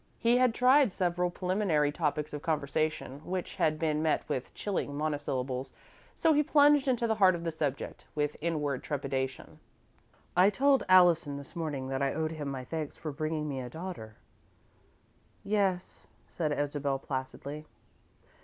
He had tried several preliminary topics of conversation, which had been met with chilling monosyllables, so he plunged into the heart of the subject, with inward trepidation. "I told Allison this morning that I owed him my thanks for bringing me a daughter." "Yes," said Isabel, placidly.